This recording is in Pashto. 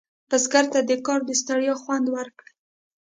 بزګر ته د کار د ستړیا خوند ورکړي